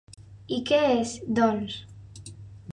I què és, doncs?